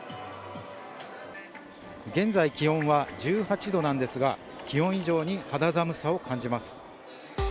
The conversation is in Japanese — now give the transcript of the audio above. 現在、気温は１８度なんですが、気温以上に肌寒さを感じます。